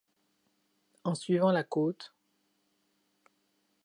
En suivant la côte —